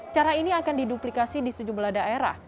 cara ini akan diduplikasi di sejumlah daerah